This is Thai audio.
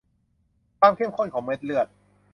ความเข้มข้นของเม็ดเลือด